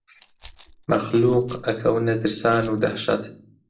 مەخلووق ئەکەونە ترسان و دەهشەت